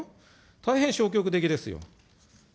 大変消極的ですよ。